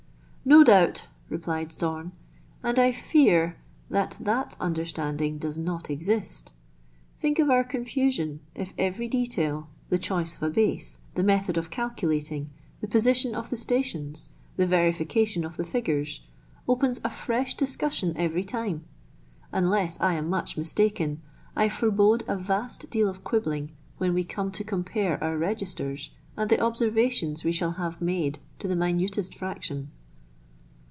"No doubt," replied Zorn, "and I fear that that under standing does not exist. Think of our confusion, if every detail, the choice of a base, the method of calculating, the position of the stations, the verification oi the figures, opens THREE ENGLISHMEN AND THREE RUSSIANS. 55 a fresh discussion every time ! Unless I am n; ucli mistaken I forbode a vast deal of quibbling when we come to compare our registers, and the observations we shall have made to the minutest fraction."